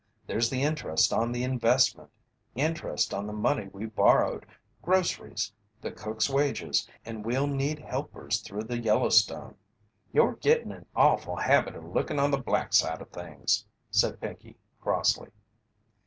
There's the interest on the investment, interest on the money we borrowed, groceries, the cook's wages, and we'll need helpers through the Yellowstone." "You're gettin' an awful habit of lookin' on the black side of things," said Pinkey, crossly.